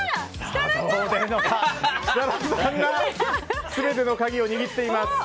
設楽さんが全ての鍵を握っています。